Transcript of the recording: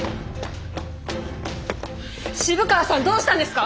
渋川さんどうしたんですか？